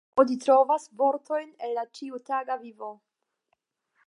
Oni trovas vortojn el la ĉiutaga vivo.